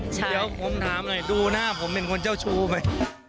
เดี๋ยวผมถามหน่อยดูหน้าผมเป็นคนเจ้าชู้ไหม